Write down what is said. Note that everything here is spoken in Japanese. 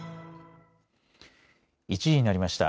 １時になりました。